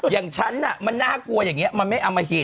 อย่างฉันมันน่ากลัวอย่างนี้มันไม่อมหิต